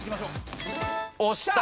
押した！